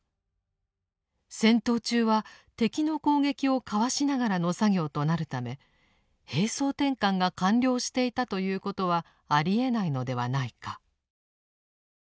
戦闘中は敵の攻撃をかわしながらの作業となるため兵装転換が完了していたということはありえないのではないか。